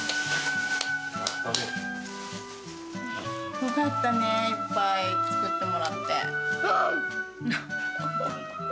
よかったね、いっぱい作ってうん！